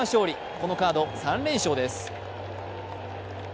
このカード３連勝です。